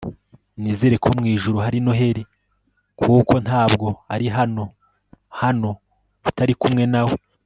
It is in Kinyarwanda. nizere ko mu ijuru hari noheri, kuko ntabwo ari hano hano utari kumwe nawe